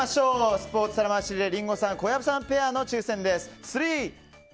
スポーツ皿回しリレーリンゴさん、小籔さんペアの挑戦です。